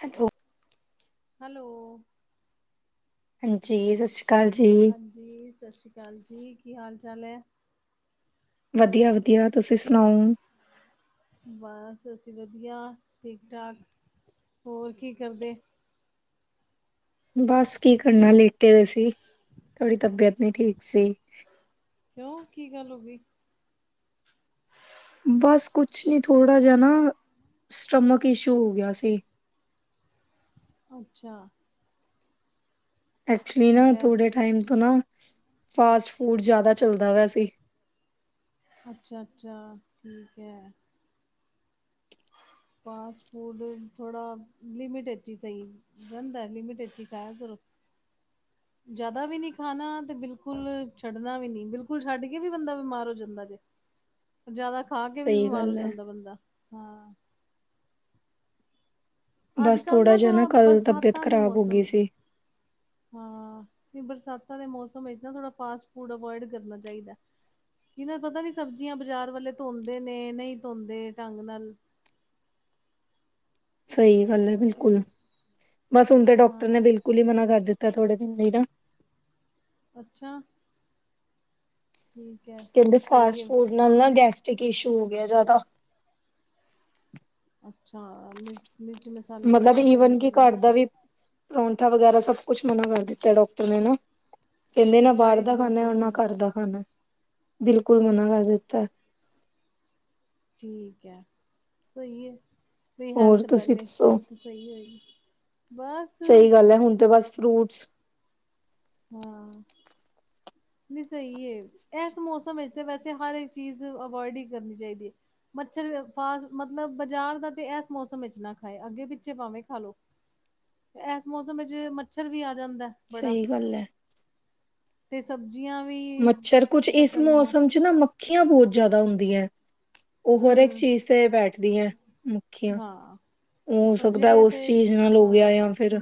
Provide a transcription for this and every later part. ਸੱੋ [unintelligible] hello, ਹਾਂਜੀ, ਸਤਿ ਸ਼੍ਰੀ ਅਕਾਲ। ਜੀ ਹਾਂਜੀ, ਸਤਿ ਸ਼੍ਰੀ ਅਕਾਲ ਜੀ। ਕੀ ਹਾਲ- ਚਾਲ ਹੈ। ਵਧੀਆ- ਵਧੀਆ ਤੁਸੀਂ ਸੁਣਾਓ? ਬਸ ਸਤਿ ਸ਼੍ਰੀ ਵਧੀਆ। ਠੀਕ- ਠਾਕ। ਹੋਰ ਕੀ ਕਰਦੇ। ਬਸ ਕੀ ਕਰਨਾ ਲੇਟੇ ਦੇ ਸੀ। ਤੁਹਾਡੀ ਤਬੀਅਤ ਨਹੀਂ ਠੀਕ ਸੀ। ਕਿਉਂ ਕੀ ਗੱਲ ਹੋ ਗਈ। ਬਸ ਕੁਛ ਨੀ ਥੋੜ੍ਹਾ ਜਿਹਾ ਨਾ ਸਟਮਕ ਇਸ਼ੂ ਹੋ ਗਿਆ ਸੀ। ਅੱਛਾ। ਐਕਚੁਲੀ ਨਾ ਬਸ ਥੋੜੇ ਟਾਈਮ ਤੋਂ ਨਾ ਫਾਸਟ ਫੂਡ ਜ਼ਿਆਦਾ ਚੱਲਦਾ ਹੋਆ ਸੀ। ਅੱਛਾ- ਅੱਛਾ ਠੀਕ ਹੈ। ਫਾਸਟ ਫੂਡ ਥੋੜਾ ਲਿਮਿਟ ਅੱਛੀ ਸਹੀ ਰਹਿੰਦਾ ਲਿਮਿਟ ਅੱਛੀ ਤਾਂ ਕਰੋ [inaudible] ਜ਼ਿਆਦਾ ਵੀ ਨੀ ਖਾਣਾ ਤੇ ਬਿਲਕੁਲ ਛੱਡਣਾ ਵੀ ਨੀ ਬਿਲਕੁਲ ਛੱਡ ਕੇ ਵੀ ਬੰਦਾ ਬਿਮਾਰ ਹੋ ਜਾਂਦਾ ਜੇ [inaudible] ਜਿਆਦਾ ਖਾ ਕੇ ਵੀ ਸਹੀ ਬਿਮਾਰ ਹੋ ਗੱਲ ਹੈ ਜਾਂਦਾ ਬੰਦਾ ਹਾਂ। ਅੱਜ ਬਸ ਕੱਲ੍ਹ ਥੋੜਾ ਨਾ ਜਿਹਾ ਥੋੜ੍ਹਾ ਕੱਲ ਤਬੀਅਤ ਬਰਸਾਤਾਂ ਦੇ ਖ਼ਰਾਬ ਹੋ ਮੌਸਮ ਗਈ ਵਿੱਚ ਸੀ ਹਾਂ ਤੇ ਬਰਸਾਤਾਂ ਦੇ ਮੌਸਮ ਵਿੱਚ ਇਦਾਂ ਫਾਸਟ ਫੂਡ ਅਵਇਡ ਕਰਨਾ ਚਾਹੀਦਾ ਕਿਨਾਂ ਪਤਾ ਨੀ ਸਬਜ਼ੀਆਂ ਬਾਜ਼ਾਰ ਵਾਲੇ ਧੋਂਦੇ ਨੇ ਨਹੀਂ ਧੋਂਦੇ ਢੰਗ ਨਾਲ ਸਹੀ ਗੱਲ ਹੈ ਬਿਲਕੁਲ ਹਮ, ਬਸ ਹੁਣ ਤਾਂ ਡਾਕਟਰ ਨੇ ਹਾਂ, ਬਿਲਕੁਲ ਹੀ ਮਨਾ ਕਰ ਦਿੱਤਾ ਥੋੜੇ ਦਿਨ ਲਈ ਨਾ ਅੱਛਾ ਠੀਕ ਹੈ ਕਹਿੰਦੇ ਨਹੀਂ ਸਹੀ ਫਾਸਟ ਹੈ। ਫੂਡ ਨਾਲ ਨਾ ਗੈਸਟ੍ਰਿਕ ਇਸ਼ੂ ਹੋ ਗਿਆ ਜ਼ਿਆਦਾ ਅੱਛਾ ਮਿਰਚ ਮਸਾਲਾ ਮਤਲਬ ਈਵਨ ਕਿ ਘਰ ਦਾ ਵੀ ਪਰੌਠਾ ਵਗੈਰਾ ਸਭ ਕੁਛ ਮਨਾ ਕਰ ਦਿੱਤਾ ਡਾਕਟਰ ਨੇ ਨਾ ਕਹਿੰਦੇ ਅੱਛਾ ਨਾ ਬਾਹਰ ਫਰਾਈਡ ਦਾ ਬਿਲਕੁਲ ਖਾਣਾ ਨਾ ਮਨਾ, ਘਰ ਦਾ ਖਾਣਾ ਬਿਲਕੁਲ ਮਨਾ ਕਰ ਦਿੱਤਾ ਠੀਕ ਹੈ ਸਹੀ ਹੈ ਹੋਰ ਹੈਲਥ ਤੁਸੀਂ ਪਹਿਲੇ ਦੱਸੋ ਹੈਲਥ ਸਹੀ ਹੋਏਗੀ ਬਸ ਸਹੀ ਗੱਲ ਹੈ ਹੁਣ ਤੇ ਬਸ ਫਰੂਟਸ ਹਾਂ ਨਹੀਂ ਸਹੀ ਹੈ ਇਸ ਮੌਸਮ ਵਿੱਚ ਤੇ ਵੈਸੇ ਹਰ ਇੱਕ ਚੀਜ਼ ਅਵਇਡ ਹੀ ਕਰਨੀ ਚਾਹੀਦੀ ਹੈ ਮੱਛਰ ਫਾਸ ਮਤਲਬ ਬਾਜ਼ਾਰ ਦਾ ਤੇ ਇਸ ਮੌਸਮ ਵਿੱਚ ਨਾ ਖਾਏ ਅੱਗੇ ਪਿੱਛੇ ਪਾਵੇਂ ਖਾਲੋ। [inaudible] ਇਸ ਮੌਸਮ ਵਿੱਚ ਮੱਛਰ ਵੀ ਆ ਜਾਂਦਾ। ਬੜਾ ਸਹੀ ਗੱਲ ਹੈ। ਤੇ ਸਬਜ਼ੀਆਂ ਵੀ। ਮੱਛਰ ਕੁਛ ਇਸ ਪਤਾ ਨੀ ਹੈ। ਮੌਸਮ ਚ ਨਾ ਮੱਖੀਆਂ ਬਹੁਤ ਜ਼ਿਆਦਾ ਹੁੰਦੀਆਂ। ਉਹ ਹਰੇਕ ਹੂੰ ਚੀਜ਼ ਤੇ ਬੈਠਦੀਆਂ ਹੈ ਮੱਖੀਆਂ। ਹਾਂ ਹੋ ਔਰ ਸਕਦਾ ਜਿਹੜੇ ਉਸ ਤੇ ਚੀਜ਼ ਨਾਲ ਹੋ ਹਾਂ ਗਿਆ ਜਾਂ ਫਿਰ।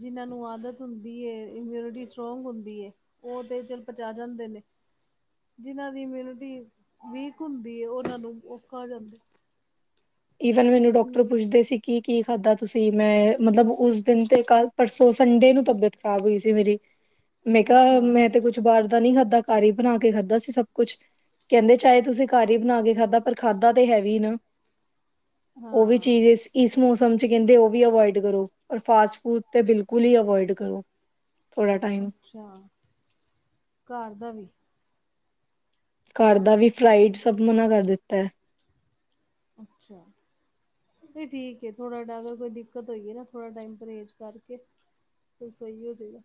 ਜਿਨ੍ਹਾਂ ਨੂੰ ਆਦਤ ਹੁੰਦੀ ਹੈ ਇਮਊਨਿਟੀ ਸਟਰੋਂਗ ਹੁੰਦੀ ਹੈ। ਉਹ ਤੇ ਚਲ ਪਚਾ ਜਾਂਦੇ ਨੇ। ਜਿਹਨਾਂ ਦੀ ਇੰਮੁਨਿਟੀ ਵੀਕ ਹੁੰਦੀ ਹੈ ਉਹਨਾਂ ਨੂੰ ਔਖਾ ਹੋ ਜਾਂਦਾ। ਈਵਨ ਮੈਨੂੰ ਡਾਕਟਰ ਹੂੰ ਪੁੱਛਦੇ ਸੀ ਕੀ-ਕੀ ਖਾਧਾ ਤੁਸੀਂ ਮੈਂ ਮਤਲਬ ਉਸ ਦਿਨ ਤੇ ਕੱਲ। ਪਰਸੋਂ ਸੰਡੇ ਨੂੰ ਤਬੀਅਤ ਖਰਾਬ ਹੋਈ ਸੀ ਮੇਰੀ ਮੈਂ ਕਿਹਾ ਅੱਛਾ ਮੈਂ। ਤੇ ਕੁੱਛ ਬਾਹਰ ਦਾ ਨੀ ਖਾਧਾ ਘਰ ਹੀ ਬਣਾ ਕੇ ਖਾਧਾ ਸੀ ਸਭ ਕੁੱਛ ਕਹਿੰਦੇ ਚਾਹੇ ਤੁਸੀਂ ਘਰ ਹੀ ਬਣਾ ਕੇ ਖਾਧਾ। ਪਰ ਖਾਦਾ ਤੇ ਹੈਵੀ ਨਾ। ਉਹ ਵੀ ਹਾਂ ਚੀਜ਼ ਇਸ-ਇਸ ਮੌਸਮ ਚ ਕਹਿੰਦੇ ਉਹ ਵੀ ਅਵੋਇਡ ਕਰੋ। ਪਰ ਫਾਸਟ ਫੂਡ ਤੇ ਬਿਲਕੁਲ ਹੀ ਅਵੋਇਡ ਕਰੋ ਥੋੜਾ ਟਾਈਮ। ਅੱਛਾ ਘਰ ਦਾ ਵੀ। ਘਰ ਦਾ ਵੀ ਫਰਾਈਡ ਸਭ ਮਨਾ ਕਰ ਦਿੱਤਾ ਹੈ। ਅੱਛਾ। ਨਹੀਂ ਠੀਕ ਏ ਥੋੜਾ ਜਿਆਦਾ ਕੋਈ ਦਿੱਕਤ ਹੋਈ ਨਾ ਥੋੜਾ ਟਾਈਮ ਪਰਹੇਜ ਕਰਕੇ। ਫਿਰ ਸਹੀ ਹੋ ਜਾਏਗਾ।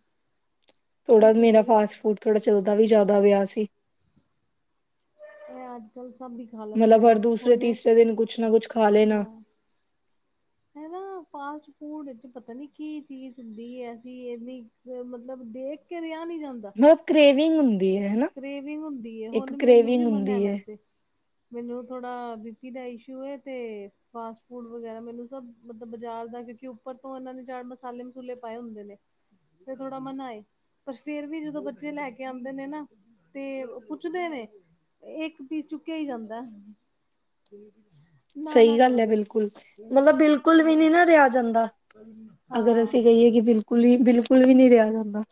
ਥੋੜਾ ਠੀਕ ਹੋ ਮੇਰਾ ਜਾਏਗਾ ਫਾਸਟ ਫੂਡ ਥੋੜਾ ਚੱਲਦਾ ਵੀ ਜ਼ਿਆਦਾ ਪਿਆ ਸੀ। ਇਹ ਅੱਜ ਕੱਲ ਸਭ ਹੀ ਖਾ ਲੈਂਦੇ ਮਤਲਬ ਨੇ ਹਰ ਹੁਨੇ ਦੂਸਰੇ-ਤੀਸਰੇ ਦਿਨ ਕੁਝ ਨਾ ਕੁਝ ਖਾ ਲੈਣਾ। [inaudible] ਹੈ ਨਾ ਫਾਸਟ ਫੂਡ ਵਿੱਚ ਪਤਾ ਨੀ ਕੀ ਚੀਜ਼ ਹੁੰਦੀ ਐਸੀ ਇਨੀ। ਮਤਲਬ ਦੇਖ ਕੇ ਰਿਹਾ ਨਹੀਂ ਜਾਂਦਾ। ਮਤਲਬ ਕਰੇਵਿੰਗ ਹੁੰਦੀ। ਹੈ ਹਨਾ ਕਰੇਵਿੰਗ ਹੁੰਦੀ ਹੈ ਇੱਕ ਹੁਣ ਮੈਨੂੰ ਵੀ ਕਰੇਵਿੰਗ ਮਨਾ ਹੁੰਦੀ ਹੈ ਵੈਸੇ। ਮੈਨੂੰ ਥੋੜਾ ਬੀ ਪੀ ਦਾ ਇਸ਼ੂ ਏ ਤੇ ਫਾਸਟ ਫੂਡ ਵਗੈਰਾ ਮੈਨੂੰ ਸਭ ਮਤਲਬ ਬਾਜ਼ਾਰ ਦਾ ਕਉਕਿ ਉੱਪਰ ਤੋਂ ਏਨਾਂ ਨੇ ਚਾਟ ਮਸਾਲੇ ਮਸੂਲੇ ਪਾਏ ਹੁੰਦੇ ਨੇ। ਤੇ ਥੋੜਾ ਮਨਾ ਏ, ਪਰ ਫੇਰ ਵੀ ਜਦੋਂ ਬੱਚੇ ਲੈ ਕੇ ਆਂਦੇ ਨੇ ਨਾ। ਤੇ ਪੁੱਛਦੇ ਨੇ, ਏਕ ਪੀਸ ਚੁੱਕਆ ਈ ਜਾਂਦਾ। [unintelligible] ਸਈ ਗੱਲ ਐ ਕਰਦੇ ਬਿਲਕੁਲ, ਮਤਲਬ ਬਿਲਕੁਲ ਵੀ ਹਾਂ ਨੀ ਨਾ ਰੇਆ ਜਾਂਦਾ। ਅਗਰ ਹਾਂ ਅਸੀਂ ਕਈਏ ਕਿ ਬਿਲ। ਕੁਲਿੰਗ ਬਿਲਕੁਲ ਵੀ ਨਹੀਂ ਰਿਹਾ ਜਾਂਦਾ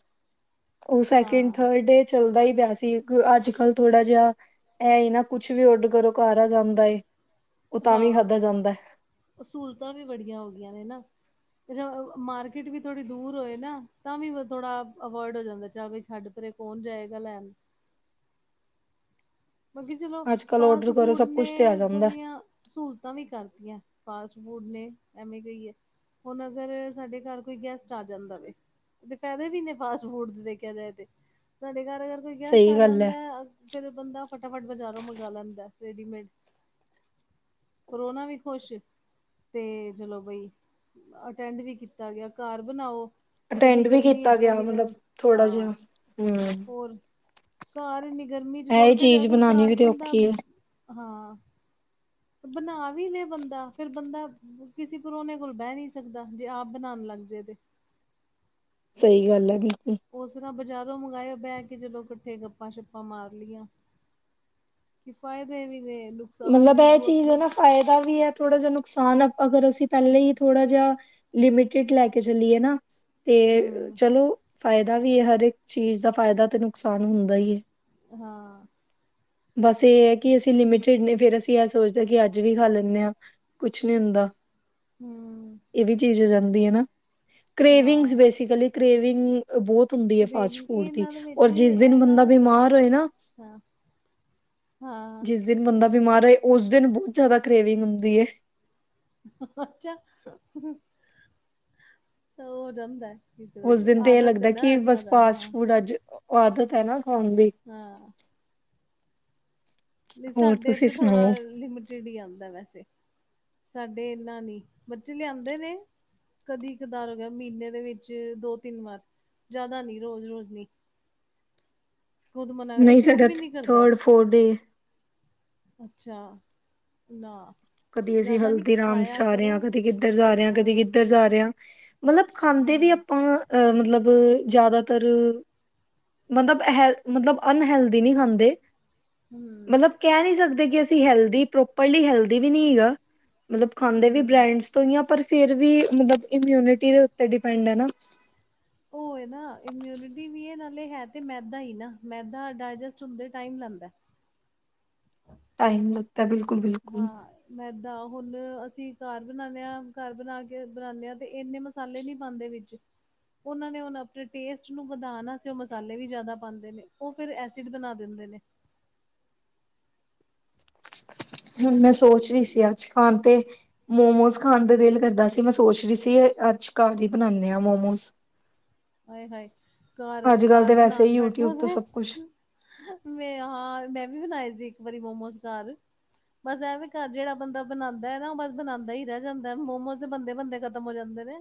ਉਹ ਸੈਕਿੰਡ ਹਾਂ -ਥਰਡ ਡੇ ਚੱਲਦਾ ਹੀ ਪਿਆ ਸੀ। ਅੱਜ ਕੱਲ ਥੋੜਾ ਜਿਹਾ ਇਹ ਹੀ ਨਾ ਕੁਛ ਵੀ ਆਰਡਰ ਕਰੋ ਘਰ ਆ ਜਾਂਦਾ ਏ। ਓ ਤਾਂਵੀ ਖਾਧਾ ਜਾਂਦਾ ਐ। ਸੂਲਤਾਂ ਵੀ ਬੜੀਆਂ ਹੋ ਗੀਆਂ ਨੇ ਨਾ। [unintelligible] ਮਾਰਕੀਟ ਵੀ ਥੋੜੀ ਦੂਰ ਹੋਏ ਨਾ, ਤਾਂ ਵੀ ਥੋੜਾ ਅਵੋਏਡ ਹੋ ਜਾਂਦਾ ਚਲ ਵੀ ਛੱਡ ਪਰੇ। ਕੋਨ ਜਾਏਗਾ ਲੈਨ। ਬਾਕੀ ਚਲੋ, ਅੱਜ ਕੱਲ ਫਾਸਟ ਔਡਰ ਕਰੋ ਫੂਡ ਸਭ ਕੁਛ ਤੇ ਆ ਨੇ ਜਾਂਦਾ ਥੋੜੀਆਂ ਸੂਲਤਾਂ ਵੀ ਕਰਤੀਆਂ, ਫਾਸਟ ਫੂਡ ਨੇ ਐਵੇਂ ਕਹੀਏ। ਹੁਨ ਅਗਰ ਸਾਡੇ ਘਾੱਰ ਕੋਈ ਗੈਸਟ ਆ ਜਾਂਦਾ ਵੇ। ਤੇ ਫੈਦੇ ਵੀਨੇ ਫਾਸਟ ਫੂਡ ਦੇਖਆ ਜਾਏ ਤੇ, ਸਾਡੇ ਘਾੱਰ। ਕੋਈ ਗੈਸਟ ਸਹੀ ਆ ਗੱਲ ਹੈ ਜਾਂਦਾ, ਫੇਰ ਬੰਦਾ ਫਟਾਫਟ ਬਾਜ਼ਾਰੋਂ ਮੰਗਾ ਲੈਂਦਾ ਰੇਡੀਮੇਡ। ਪਰੋਨਾ ਵੀ ਖੋਸ਼। ਤੇ ਚਲੋ ਬਈ, ਅਟੈਂਡ ਵੀ ਕੀਤਾ ਗੇਆ ਘਾੱਰ ਬਨਾਓ। ਏਨੀ ਅਟੈਂਡ ਵੀ ਗਰਮੀ ਕੀਤਾ ਏਚ ਗਿਆ ਪੈਲੀ ਮਤਲਬ ਗੱਲ, ਥੋੜਾ ਜਿਹਾ ਹਾਂ ਹਮ ਹੋਰ। ਘਾੱਰ ਏਨੀ ਗਰਮੀ ਚ ਇਹ [unintelligible] ਚੀਜ਼ ਅਗਰ ਬਣਾਉਣੀ ਘਾੱਰ ਵੀ ਤੇ ਬੰਦਾ, ਔਖੀ ਹੈ ਹਾਂ [unintelligible] ਬਨਾ ਵੀ ਲੇ ਬੰਦਾ ਫੇਰ ਬੰਦਾ ਕਿਸੀ ਪਰੋਨੇ ਕੋਲ ਬੈ ਨਈ ਸਕਦਾ, ਜੇ ਆਪ ਬਨਾਨ ਲੱਗ ਜੇ ਤੇ ਸਈ ਗੱਲ ਐ, ਬਿਲਕੁਲ। ਓਸ ਤਰਾ ਬਜ਼ਾਰੋਂ ਮੰਗਾਏ ਬੈ ਕੇ ਚਲੋ ਕੱਠੇ ਗੱਪਾਂ ਸ਼ੱਪਾਂ ਮਾਰ ਲਈਆਂ। ਕਿ ਫਾਈਦੇ ਵੀ ਨੇ ਨੁ ਮਤਲਬ ਏ ਚੀਜ਼ ਐ ਨਾ ਫਾਏਦਾ ਵੀ ਐ ਥੋੜਾ ਜਾ ਨੁਕਸਾਨ ਅਗਰ ਅਸੀ ਪੈਲੇ ਈ ਥੋੜਾ ਜਾ ਲਿਮਿਟਿਡ ਲੈ ਕੇ ਚਲੀਏ ਨਾ, ਤੇ ਹਮ ਚਲੋ ਫਾਏਦਾ ਵੀ ਏ ਹਰ ਏਕ ਚੀਜ਼ ਦਾ ਫਾਏਦਾ ਤੇ ਨੁਕਸਾਨ ਹੁੰਦਾ ਈ ਏ। ਹਾਂ ਬਾੱਸ ਏ ਐ ਕਿ ਅਸੀ ਲਿਮਿਟ ਤੇ ਫੇਰ ਅਸੀ‌ ਏਹ ਸੋਚਦੇ ਕਿ ਅੱਜ ਵੀ ਖਾ ਲੈਨੇ ਆ, ਕੁਛ ਨੀ ਹੁੰਦਾ। ਹਮ ਏਵੀ ਚੀਜ਼ ਆ ਜਾਂਦੀ ਐ ਨਾ। ਕਰੇਵਿੰਗ ਹਾਂ ਬੇਸਿਕਲੀ ਕਰੇਵਿੰਗ ਬੋਤ ਹੁੰਦੀ ਏ, ਫਾਸਟ ਗ੍ਰੇਵੀ ਫੂਡ ਦੀ। ਇਹਨਾਂ ਦੇ ਓਰ ਵਿੱਚ ਜਿਸ ਦਿਨ ਇਹ ਨਾ ਬੰਦਾ ਬਿਮਾਰ ਹੋਏ ਨਾ ਹਾਂ, ਹਾਂ। ਜਿਸ ਦਿਨ ਬੰਦਾ ਬਿਮਾਰ ਹੋਏ ਓਸ ਦੇਨ ਬੋਤ ਜੈਦਾ ਕਰੇਵਿੰਗ ਹੁੰਦੀ ਏ। [unintelligible] ਅੱਛਾ, ਹੋ ਜਾਂਦਾ। ਓਸ ਦਿਨ ਤੇ ਏ ਲੱਗਦਾ ਕਿ ਬਸ ਫਾਸਟ ਹਾਂ ਫੂਡ ਅੱਜ, ਆਦਤ ਐ ਨਾ ਖਾਨ ਦੀ ਹਾਂ। ਨਈ ਹੋਰ ਸਾਡੇ ਤੁਸੀਂ ਤੇ ਥੋੜਾ ਸੁਣਾਓ ਲਿਮਟਿਡ ਈ ਆਂਦਾ ਵੈਸੇ ਸਾਡੇ ਏਨਾ ਨੀ, ਬੱਚੇ ਲੇਯਾਂਦੇ ਨੇ ਕਦੀ ਕਦਾਰ ਹੋਗੇਆ, ਮੀਨੇ ਦੇ ਵਿੱਚ ਦੋ ਤਿੰਨ ਵਾਰ ਜਾਦਾ ਨੀ ਰੋਜ਼, ਰੋਜ਼ ਨੀ। ਨਈ ਸੂਟ ਸਾਡਾ ਵੀ ਨਹੀਂ ਕਰਦਾ ਥਰਡ ਫੋਰ ਡੇ ਅੱਛਾ, ਨਾ ਕਦੀ ਅਸੀ ਜ਼ਿਆਦਾ ਨਹੀਂ ਹਲਦੀਰਾਮਸ ਖਾਇਆ ਜਾ ਰੇ ਆ, ਕਰੋ ਕਦੀ ਕਿੱਧਰ ਜਾਰੇ ਆ, ਕਦੀ ਹਾਂ ਕਿੱਧਰ ਜਾਰੇ ਆ। ਮਤਲਬ ਖਾਂਦੇ ਵੀ ਹਾਂ ਆਪਾਂ ਅ ਮਤਲਬ ਜਾਦਾਤਰ ਮਤਲਬ ਹੈਲਥ, ਮਤਲਬ ਅਨਹੈਲਦੀ ਨੀ ਖਾਂਦੇ। ਹਮ ਮਤਲਬ ਕੈ ਨਈ ਸਕਦੇ ਕਿ ਅਸੀ ਹੈਲਦੀ ਪ੍ਰੋਪਰਲੀ ਹੈਲਦੀ ਵੀ ਨੀ ਹੈਗਾ। ਮਤਲਬ ਖਾਂਦੇ ਵੀ ਹਮ ਬ੍ਰੈਂਡਸ ਤੋਂ ਈ ਆ, ਪਰ ਫੇਰ ਵੀ ਇਮਯੁਨੀਟੀ ਦੇ ਉਤੇ ਡਿਪੈਂਡ ਐ ਨਾ। [inaudible] ਓਏ ਨਾ ਇਮਯੁਨਿਟੀ ਵੀ ਏ ਨਾਲੇ ਹੈ ਤੇ ਮੈਦਾ ਈ ਨਾ, ਮੈਦਾ ਡਾਏਜੈਸਟ ਹੁੰਦੇ ਟਾਈਮ ਲੈਂਂਦਾ। ਟਾਈਮ ਲੱਗ ਤਾਂ ਬਿਲਕੁਲ ਬਿਲ ਹਾਂ। ਮੈਦਾ ਹੁਣ ਅਸੀਂ ਘਰ ਬਣਾਉਂਦੇ ਆ, ਘਰ ਬਣਾ ਕੇ ਬਣਾਉਂਦੇ ਆ ਤੇ ਇੰਨੇ ਮ ਮਸਾਲੇ ਨਹੀਂ ਪਾਉਂਦੇ ਵਿੱਚ। ਉਹਨਾਂ ਨੇ ਹੁਣ ਅਪਣੇ ਟੇਸਟ ਨੂੰ ਵਧਾਉਣ ਵਾਸਤੇ ਉਹ ਮਸਾਲੇ ਵੀ ਜ਼ਿਆਦਾ ਪਾਉਂਦੇ ਨੇ ਉਹ ਫਿਰ ਐਸਿਡ ਬਣਾ ਦਿੰਦੇ ਨੇ। ਹੁਣ ਮੈਂ ਸੋਚ ਰਹੀ ਸੀ ਅੱਜ ਖਾਣ ਤੇ ਮੋਮੋਸ ਖਾਣ ਤੇ ਦਿਲ ਕਰਦਾ ਸੀ। ਤੇ ਮੈਂ ਸੋਚ ਰਹੀ ਸੀ ਅੱਜ ਘਰ ਈ ਬਣਾਉਂਦੇ ਆ ਮੋਮੋਸ। ਆਏ-ਹਾਏ ਘਰ, ਅੱਜ ਕੱਲ੍ਹ ਘਰ ਤਾਂ ਵੈਸੇ ਬਣਾਉਣ ਹੀ ਬੈਠੋ ਯੂਟਿਊਬ ਤੋਂ ਸਭ ਕੁਛ ਤੇ ਮੈਂ ਹਾਂ ਮੈਂ ਵੀ ਬਣਾਏ ਸੀ ਇੱਕ ਵਾਰੀ ਮੋਮੋਸ ਘਰ। ਬਸ ਐ ਵੀ ਘਰ ਜਿਹੜਾ ਬੰਦਾ ਬਣਾਉਂਦਾ ਐ ਨਾ ਉਹ ਬਸ ਬਣਾਉਂਦਾ ਈ ਰਹਿ ਜਾਂਦਾ, ਮੋਮੋਸ ਤੇ ਬਣਦੇ ਬਣਦੇ ਖਤ ਖਤਮ ਹੋ ਜਾਂਦੇ ਨੇ।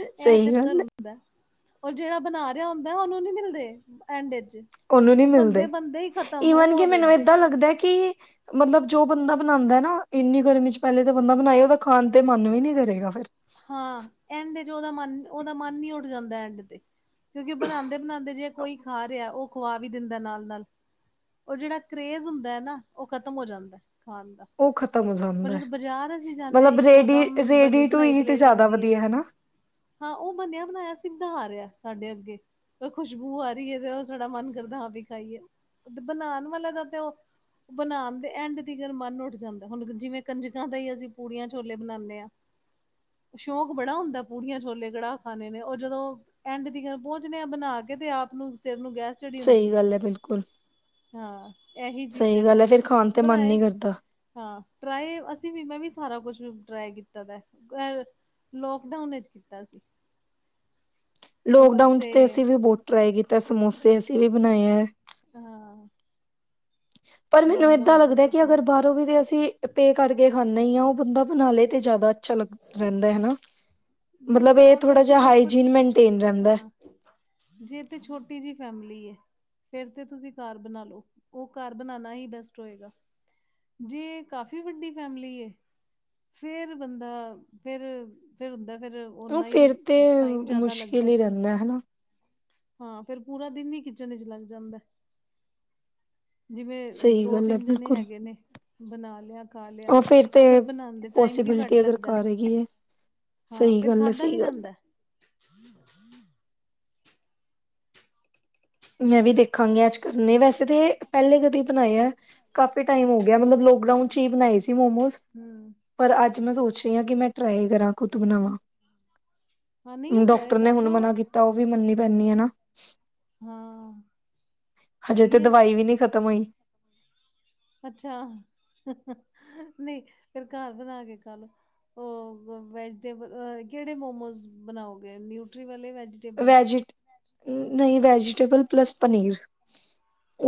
ਇਹ ਸਹੀ ਚੱਕਰ ਗੱਲ ਹੁੰਦਾ ਐ ਔਰ ਜਿਹੜਾ ਬਣਾ ਰਿਹਾ ਹੁੰਦਾ ਉਹਨੂੰ ਨਹੀਂ ਮਿਲਦੇ ਐਂਡ ਚ ਉਹਨੂੰ ਨਹੀਂ ਉਹ ਬੰਦੇ ਮਿਲਦੇ ਬੰਦੇ ਹੀ ਖ਼ਤਮ ਈਵਨ ਕਿ ਹੋਰ ਮੈਨੂੰ ਜ ਏਦਾਂ ਲੱਗਦਾ ਐ ਕਿ ਮਤਲਬ ਜੋ ਬੰਦਾ ਬਣਾਉਂਦਾ ਐ ਨਾ ਇੰਨੀ ਗਰਮੀ ਚ ਪਹਿਲੇ ਤਾਂ ਬੰਦਾ ਬਣਾਏ ਉਹਦਾ ਖਾਣ ਤੇ ਮਨ ਵੀ ਨਹੀਂ ਕਰੇਗਾ ਫਿਰ। ਹਾਂ, ਐਂਡ ਚ ਉਹਦਾ ਮਨ ਉਹਦਾ ਮਨ ਈ ਉੱਠ ਜਾਂਦਾ ਐਂਡ ਤੇ। ਕਿਉਂਕਿ ਬਣਾਉਂਦੇ ਬਣਾਉਂਦੇ ਜੇ ਕੋਈ ਖਾ ਰਿਹਾ ਉਹ ਖਵਾ ਵੀ ਦਿੰਦਾ ਨਾਲ-ਨਾਲ ਉਹ ਜਿਹੜਾ ਕਰੇਜ਼ ਹੁੰਦਾ ਐ ਨਾ ਉਹ ਖਤਮ ਹੋ ਜਾਂਦਾ ਐ ਖਾਣ ਦਾ। ਉਹ ਖਤਮ ਹੋ ਪਰ ਜਾਂਦਾ ਜਦੋਂ ਬਾਜ਼ਾਰ ਅਸੀਂ ਜਾਂਦੇ ਹਾਂ ਮਤਲਬ ਇੱਕੋ ਰੇਡੀ ਦਮ ਬਣੀ ਰੇਡੀ ਟੂ ਬਣਾਈ ਈਟ ਪਲੇਟ ਜ਼ਿਆਦਾ ਆਉਂਦੀ ਐ। ਵਧੀਆ ਹਨਾ ਹਾਂ ਉਹ ਬਣਿਆ ਬਣਾਇਆ ਸਿੱਧਾ ਆ ਰਿਹਾ ਸਾਡੇ ਅੱਗੇ। ਖੁਸ਼ਬੂ ਆ ਰਹੀ ਹੈ ਤੇ ਉਹ ਸਾਡਾ ਮਨ ਕਰਦਾ ਹਾਂ ਵੀ ਖਾਈਏ ਤੇ ਬਣਾਉਣ ਵਾਲੇ ਦਾ ਤੇ ਉਹ ਬਣਾਉਣ ਦੇ ਐਂਡ ਤਕਰ ਮਨ ਉੱਠ ਜਾਂਦਾ ਐ ਹੁਣ ਜਿਵੇਂ ਕੰਜਕਾਂ ਦਾ ਹੀ ਅਸੀਂ ਪੂੜੀਆਂ ਛੋਲੇ ਬਣਾਉਂਦੇ ਹਾਂ। ਸ਼ੌਂਕ ਬੜਾ ਹੁੰਦਾ ਪੂੜੀਆਂ ਛੋਲੇ ਕੜਾਹ ਖਾਣੇ ਨੇ ਔਰ ਜਦੋਂ ਐਂਡ ਤੀਕਰ ਪਹੁੰਚਦੇ ਆ ਬਣਾ ਕੇ ਤੇ ਆਪ ਨੂੰ ਸਿਰ ਨੂੰ ਗੈਸ ਚੜੀ ਹੁੰਦੀ ਸਹੀ ਹੈ ਗੱਲ ਬਿਲਕੁਲ ਹਾਂ। ਇਹੀ ਚੀਜ਼ ਸਹੀ ਇਹਦਾ ਗੱਲ ਹੈ ਫਿਰ ਖਾਣ ਤੇ ਮਨ ਬਣਾਏ ਨੀ ਕਰਦਾ ਹਾਂ ਟਰਾਈ ਅਸੀਂ ਵੀ ਮੈਂ ਵੀ ਸਾਰਾ ਕੁਛ ਟਰਾਈ ਕੀਤਾ ਦਾ ਐ। ਅ ਲੋਕਡਾਊਨ ਵਿੱਚ ਕੀਤਾ ਸੀ। ਲੋਕਡਾਊਨ ਚ ਤੇ ਸਮੋਸੇ ਅਸੀਂ ਵੀ ਬਹੁਤ ਟ੍ਰਾਈ ਕੀਤਾ। ਸਮੋਸੇ ਅਸੀਂ ਵੀ ਬਣਾਏ ਹੈ। ਹਾਂ। ਪਰ ਮੈਨੂੰ ਏਦਾਂ ਮੋਮੋਸ ਦੀ ਲੱਗਦਾ ਕਿ ਚਟਨੀ ਅਗਰ ਬਾਹਰੋਂ ਵੀ ਤਾਂ ਅਸੀਂ ਪੇ ਕਰਕੇ ਖਾਂਦੇ ਹੀ ਆ। ਉਹ ਬੰਦਾ ਬਣਾ ਲਏ ਤੇ ਜ਼ਿਆਦਾ ਅੱਛਾ ਲੱਗ ਰਹਿੰਦਾ ਐ ਹਨਾ ਮਤਲਬ ਦੇਖੋ ਇਹ ਅਗਰ ਥੋੜ੍ਹਾ ਤੇ ਜਿਹਾ ਦੇਖੋ ਹਾਈਜੀਨ ਮੇਨਟੇਨ ਰਹਿੰਦਾ ਐ। ਹਾਂ ਜੇ ਤੇ ਛੋਟੀ ਜਿਹੀ ਫੈਮਲੀ ਹੈ। ਫਿਰ ਤੇ ਤੁਸੀਂ ਘਰ ਬਣਾ ਲਓ। ਉਹ ਘਰ ਬਣਾਉਣਾ ਹੀ ਬੈਸਟ ਹੋਏਗਾ। ਜੇ ਕਾਫ਼ੀ ਵੱਡੀ ਫੈਮਿਲੀ ਏ। ਫਿਰ ਬੰਦਾ ਫਿਰ ਫਿਰ ਹੁੰਦਾ ਐ ਫਿਰ ਉਹ ਓਨਾ ਹੀ ਫਿਰ ਤੇ ਟਾਈਮ ਜ਼ਿਆਦਾ ਲੱਗਦਾ ਮੁਸ਼ਕਿਲ ਐ। ਹੀ ਰਹਿੰਦਾ ਹਨਾ ਹਾਂ ਫਿਰ ਪੂਰਾ ਦਿਨ ਹੀ ਕਿਚਨ ਵਿਚ ਲੱਗ ਜਾਂਦਾ ਐ। ਜਿਵੇਂ ਸਹੀ ਗੱਲ ਹੈ ਦੋ-ਤਿੰਨ ਜਣੇ ਬਿਲਕੁਲ ਹੈਗੇ ਨੇ ਬਣਾ ਲਿਆ। ਖਾ ਲਿਆ ਉਹ ਫਿਰ ਬਣਾਉਂਦੇ ਟਾਈਮ ਵੀ ਘੱਟ ਪੋਸੀਬਿਲਿਟੀ ਅਗਰ ਲੱਗਦਾ ਐ। ਕਰ ਹੈਗੀ ਹੈ ਹਾਂ ਸਹੀ ਫਿਰ ਗੱਲ ਹੈ ਖਾਧਾ ਵੀ ਸਹੀ ਗੱਲ ਜਾਂਦਾ ਹੈ ਐ। ਮੈਂ ਵੀ ਦੇਖਾਂਗੀ ਅੱਜ ਕਰਨੇ ਵੈਸੇ ਤਾਂ ਇਹ ਪਹਿਲੇ ਕਦੇ ਬਣਾਇਆ ਕਾਫੀ ਟਾਈਮ ਹੋ ਗਿਆ ਮਤਲਬ ਲੋਕ ਲੋਕਡਾਊਨ ਚ ਹੀ ਬਣਾਈ ਸੀ ਮੋਮੋਸ। ਮੈਂ ਹੂੰ ਪਰ ਅੱਜ ਮੈਂ ਸੋਚ ਰਹੀ ਹਾਂ ਕਿ ਮੈਂ ਟ੍ਰਾਈ ਕਰਾਂ ਖੁਦ ਬਣਾਵਾਂ। ਹਾਂ ਨਹੀਂ ਟਰਾਈ ਡਾਕਟਰ ਨੇ ਕਰ ਹੁਣ ਲੋ ਮਨਾ ਕੀਤਾ ਉਹ ਵੀ ਮੰਨਣੀ ਪੈਂਦੀ ਹੈ ਨਾ। ਹਾਂ ਹਜੇ ਸਹੀ ਤੇ ਹੈ। ਦਵਾਈ ਵੀ ਨਹੀਂ ਖ਼ਤਮ ਹੋਈ ਅੱਛਾ ਨਹੀਂ ਫਿਰ ਘਰ ਬਣਾ ਕੇ ਖਾ ਲਓ। ਉਹ ਵੈਜਟੇਬਲ ਕਿਹੜੇ ਮੋਮੋਜ਼ ਬਣਾਓਗੇ ਨਿਊਟਰੀ ਵਾਲੇ ਵੈਜ ਵੈਜੀ ਨਹੀਂ ਵੈਜੀਟੇਬਲ ਪਲੱਸ ਪਨੀਰ।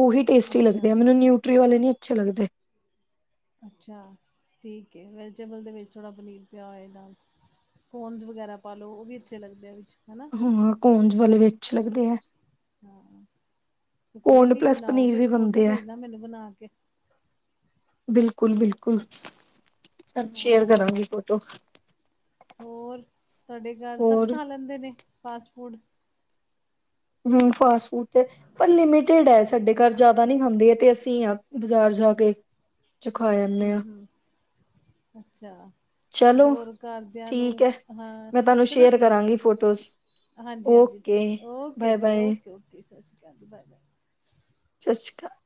ਉਹੀ ਟੇਸਟੀ ਲੱਗਦੇ ਅੱਛਾ ਆ। ਮੈਨੂੰ ਨਿਊਟਰੀ ਵਾਲੇ ਨਹੀਂ ਅੱਛੇ ਲੱਗਦੇ। ਅੱਛਾ ਠੀਕ ਹੈ। ਵੈਜੀਟੇਬਲ ਦੇ ਵਿੱਚ ਥੋੜ੍ਹਾ ਪਨੀਰ ਪਿਆ ਹੋਏਗਾ। ਕਾਰਨਸ ਵਗੈਰਾ ਪਾ ਲਉ ਉਹ ਵੀ ਅੱਛੇ ਲੱਗਦੇ ਆ ਵਿੱਚ। ਹਨਾ ਹਾਂ ਕਾਰਨਸ ਵਾਲੇ ਵੀ ਅੱਛੇ ਲੱਗਦੇ ਐ। ਹਾਂ ਕੋਈ ਨੀ ਬਣਾਓਗੇ ਤੇ ਫੋਟੋ ਭੇਜਣਾ ਮੈਨੂੰ ਬਣਾ ਕੇ। ਬਿਲਕੁਲ-ਬਿਲਕੁਲ। ਤੁਹਾਨੂੰ ਸ਼ੇਅਰ ਹਾਂ ਕਰਾਂਗੀ ਫੋਟੋ। ਹੋਰ ਤੁਹਾਡੇ ਘਰ ਸਭ ਹੋਰ ਖਾ ਲੈਂਦੇ ਨੇ ਫਾਸਟ ਫੂਡ। ਹੂੰ ਫਾਸਟ ਫੂਡ ਤੇ ਪਰ ਲਿਮਟਡ ਹੈ ਸਾਡੇ ਘਰ ਜ਼ਿਆਦਾ ਨ ਖਾਂਦੇ ਆ ਤੇ ਅਸੀਂ ਹਾਂ। ਬਾਜ਼ਾਰ ਜਾ ਕੇ। ਚੁ ਖਾਇਆ। ਹੂੰ ਹੂੰ ਅੱਛਾ। ਚਲੋ ਦੋ ਘਰ ਦਿਆਂ ਠੀਕ ਨੂੰ ਹੈ ਹਾਂ ਮੈਂ ਤੁਹਾਨੂੰ ਚਲੋ ਸ਼ੇਅਰ ਠੀਕ ਏ। ਕਰਾਂਗੀ ਫੋਟੋਜ਼ ਹਾਂਜੀ-ਹਾਂਜੀ ਓਕੇ ਠੀਕ ਏ ਓਕੇ ਬਾਏ ਜੀ ਬਾਏ ਓਕੇ, ਓਕੇ ਜ ਸਤਿ ਸ਼੍ਰੀ ਅਕਾਲ ਜੀ ਬਾਏ-ਬਾਏ। ਸਤਿ ਸ਼੍ਰੀ ਅਕਾਲ।